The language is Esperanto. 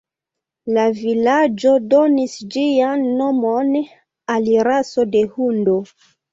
La vilaĝo donis ĝian nomon al raso de hundo.